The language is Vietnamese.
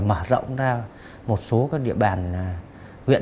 mở rộng ra một số các địa bàn huyện